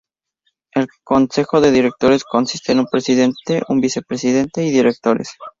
El Consejo de Directores consiste en un Presidente, un Vicepresidente y Directores.